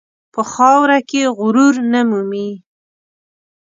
په خاوره کې غرور نه مومي.